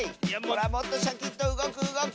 もっとシャキッとうごくうごく！